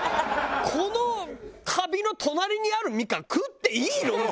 このカビの隣にあるみかん食っていいの！？